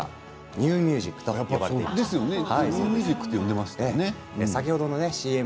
ニューミュージックと呼んでいましたね。